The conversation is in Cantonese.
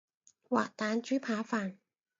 滑蛋豬扒飯